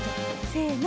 せの。